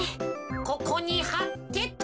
ここにはってと。